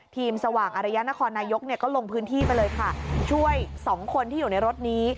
สว่างอารยะนครนายกเนี่ยก็ลงพื้นที่ไปเลยค่ะช่วยสองคนที่อยู่ในรถนี้